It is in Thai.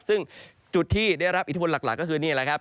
ซึ่งจุดที่ได้รับอิทธิพลหลักก็คือนี่แหละครับ